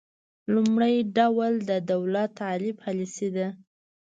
لومړی ډول د دولت عالي پالیسي ده